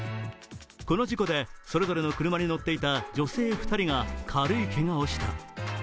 この事故で、それぞれの車に乗っていた女性２人が軽いけがをした。